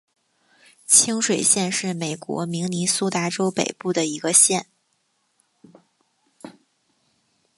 清水县是美国明尼苏达州北部的一个县。